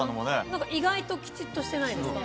何か意外ときちっとしてないですか？